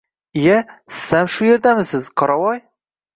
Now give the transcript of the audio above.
Iya, sizam shu yerdamisiz, qoravoy!